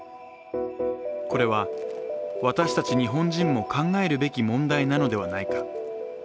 これは私たち日本人も考えるべき問題なのではないか。